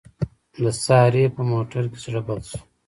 د سارې په موټر کې زړه بد شو.